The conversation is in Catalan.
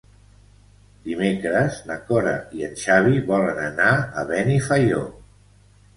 Dimecres na Cora i en Xavi volen anar a Benifaió.